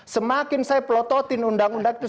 semakin saya pelototin undang undang itu